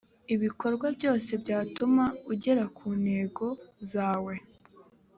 ibikorwa byose byatuma ugera ku ntego zawe.